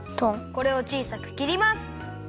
これをちいさくきります！